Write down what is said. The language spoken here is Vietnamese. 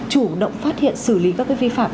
chủ động phát hiện xử lý các vi phạm